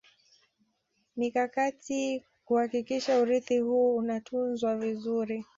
Mikakati kuhakikisha urithi huu unatunzwa vizuri